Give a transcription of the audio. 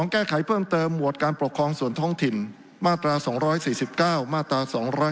แก้ไขเพิ่มเติมหมวดการปกครองส่วนท้องถิ่นมาตรา๒๔๙มาตรา๒๗